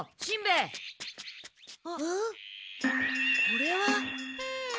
これは。